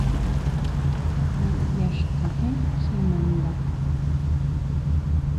Niyá xkajen kjimaʼnda.